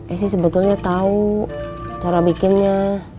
esy sebetulnya tau cara bikinnya